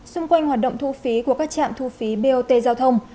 xung quanh hoạt động thu phí của các trạm thu phí bot giao thông